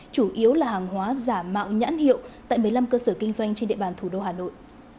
chủ yếu là hàng hóa giả mạo nhãn hiệu tại một mươi năm cơ sở kinh doanh trên địa bàn thủ đô hà nội